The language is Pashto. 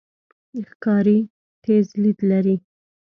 ښکاري تیز لید لري.